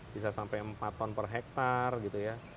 bisa sampai empat ton per hektare gitu ya